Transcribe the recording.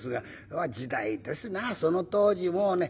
時代ですなその当時もうね